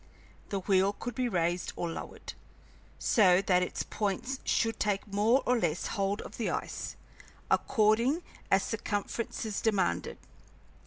The wheel could be raised or lowered, so that its points should take more or less hold of the ice, according as circumstances demanded.